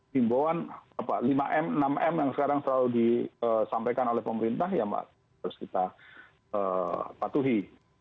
himbauan lima m enam m yang sekarang selalu disampaikan oleh pemerintah ya harus kita patuhi